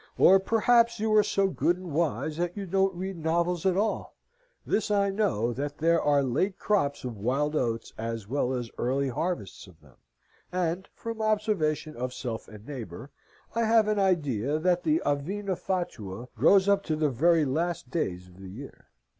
Or perhaps you are so good and wise that you don't read novels at all. This I know, that there are late crops of wild oats, as well as early harvests of them; and (from observation of self and neighbour) I have an idea that the avena fatua grows up to the very last days of the year.